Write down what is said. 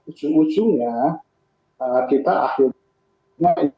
ujung ujungnya kita akhirnya